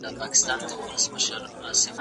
په ساینس کي لارښود او شاګرد تل ګډ کار کوي.